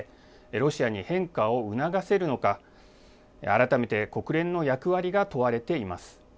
ロシアに変化をうながせるのか改めて国連の役割が問われています。